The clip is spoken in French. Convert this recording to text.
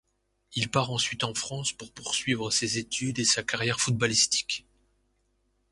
Il part ensuite en France pour poursuivre ses études et sa carrière footballistique.